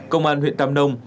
công an huyện tam nông